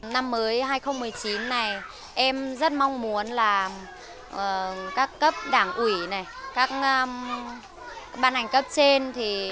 năm mới hai nghìn một mươi chín này em rất mong muốn là các cấp đảng ủy các ban hành cấp trên